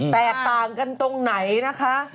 แตกต่างกันตรงไหนนะคะ